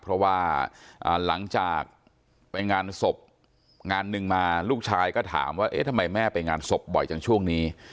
เพราะว่าหลังจากไปงานศพงานหนึ่งมาลูกชายก็ถามว่าเอ๊ะทำไมแม่ไปงานศพบ่อยจังช่วงนี้